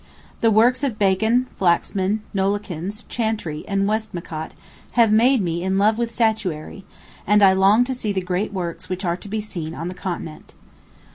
The works of Bacon, Flaxman, Nollekins, Chantrey, and Westmacott have made me in love with statuary; and I long to see the great works which are to be seen on the continent.